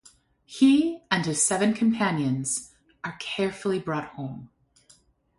He and his seven companions are carefully brought home.